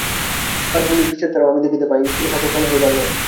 আনুমানিক বিচার দ্বারাও আমি দেখিতে পাই, ইহা কখনও হইবার নয়।